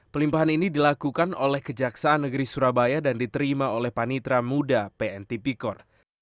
pelimpahan ini dilakukan oleh kejaksaan negeri surabaya dan diterima oleh panitra muda pn tipikor